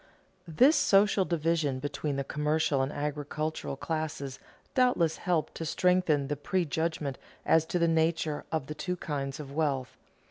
This social division between the commercial and agricultural classes doubtless helped to strengthen the prejudgment as to the nature of the two kinds of wealth.